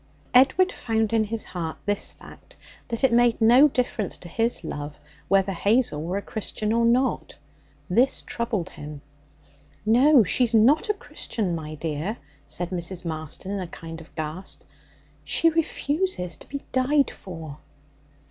Edward found in his heart this fact, that it made no difference to his love whether Hazel were a Christian or not; this troubled him. 'No. She's not a Christian, my dear,' said Mrs. Marston in a kind of gasp; 'she refuses to be died for!'